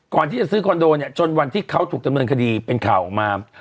ก่อนที่จะซื้อคอนโดเนี่ยจนวันที่เขาถูกดำเนินคดีเป็นข่าวออกมา